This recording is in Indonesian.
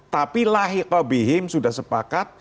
tapi lahikobihim sudah sepakat